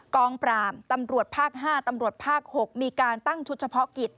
กองปราบตำรวจภาค๕ตำรวจภาค๖มีการตั้งชุดเฉพาะกิจ